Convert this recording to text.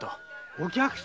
お客様？